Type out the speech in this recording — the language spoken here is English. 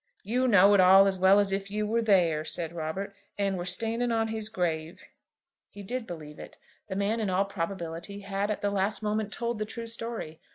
"You know it all as well as if you were there," said Robert, "and were standing on his grave." He did believe it. The man in all probability had at the last moment told the true story.